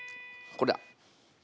これだ。